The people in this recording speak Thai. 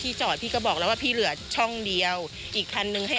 เดินตามกันมาพี่ก็ไม่รู้ไง